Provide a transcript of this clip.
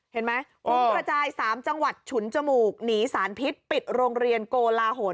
เห็นไหมฟุ้งกระจาย๓จังหวัดฉุนจมูกหนีสารพิษปิดโรงเรียนโกลาหล